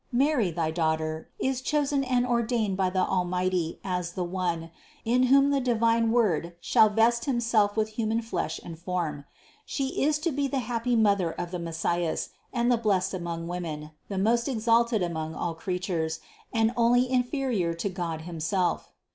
Mary, thy Daughter, is chosen and ordained by the Almighty as the One, in whom the divine Word shall vest Himself with human flesh and form. She is to be the happy Mother of the Messias and the Blessed among women, the most exalted among all creatures, and only inferior to God himself.